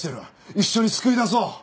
一緒に救い出そう！